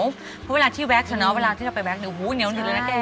เพราะเวลาที่แว๊กเถอะเนอะเวลาที่เราไปแว๊กเนี่ยโอ้โหเหนียวนิดนึงแล้วนะแก